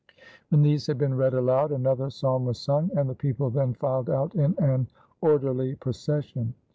When these had been read aloud, another psalm was sung and the people then filed out in an orderly procession.